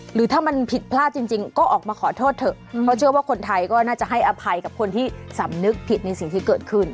หรือถ้ามันผิดพลาดจริงก็ออกมาขอโทษเถอะเพราะเชื่อว่าคนไทยก็น่าจะให้อภัยกับคนที่สำนึกผิดในสิ่งที่เกิดขึ้น